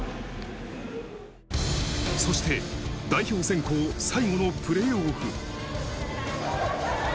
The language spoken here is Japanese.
そして、代表選考最後のプレーオフ。